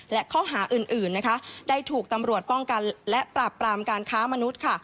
และข้อหาอื่นนะคะได้ถูกตำรวจป้องกันและปราบปรามการค้ามนุษย์ค่ะ